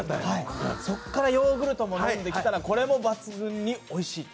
そこからヨーグルトもきたら抜群においしい。